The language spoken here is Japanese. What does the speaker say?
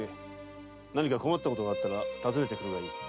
何か困った事があったら訪ねて来るがいい。